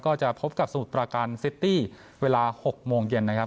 ก็จะพบกับสมุทรประการซิตี้เวลา๖โมงเย็นนะครับ